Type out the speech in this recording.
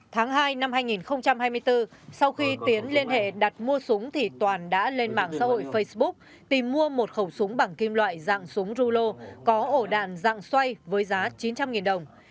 tháng hai năm hai nghìn hai mươi bốn sau khi tiến liên hệ đặt mua súng thì toàn đã lên mạng xã hội facebook tìm mua một khẩu súng bằng kim loại dạng súng rulo có ổ đạn dạng xoay với giá chín trăm linh đồng